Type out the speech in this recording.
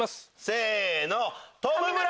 せの！